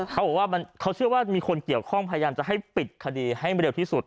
เขาบอกว่าเขาเชื่อว่ามีคนเกี่ยวข้องพยายามจะให้ปิดคดีให้เร็วที่สุด